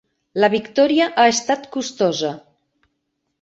La victòria ha estat costosa.